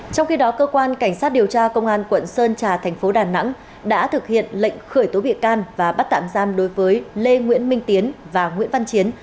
trong khi đó cơ quan cảnh sát điều tra công an quận sơn trà thành phố đà nẵng đã thực hiện lệnh khởi tố bị can và bắt tạm giam đối với lê nguyễn minh tiến và nguyễn văn chiến